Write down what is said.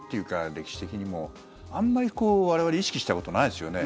歴史的にもあまり我々意識したことないですよね。